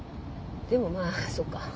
でもまあそうか。